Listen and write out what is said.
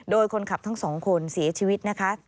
โดยคนขับทั้งสองคนเสียชีวิตนะคะ